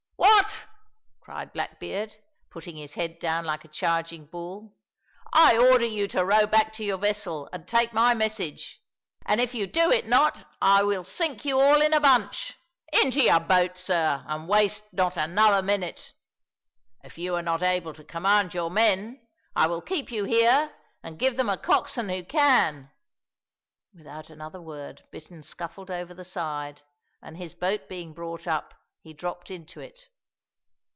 "What!" cried Blackbeard, putting his head down like a charging bull. "I order you to row back to your vessel and take my message; and if you do it not I will sink you all in a bunch! Into your boat, sir, and waste not another minute. If you are not able to command your men, I will keep you here and give them a coxswain who can." Without another word, Bittern scuffled over the side, and, his boat being brought up, he dropped into it.